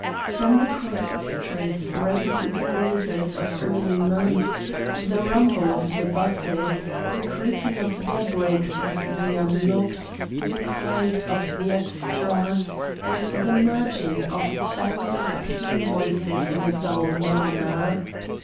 From the cross streets rose the noises of early night, the rumble of the 'buses, the creaking of their brakes, as they unlocked, the cries of the "extras," and the merging of thousands of human voices in a dull murmur.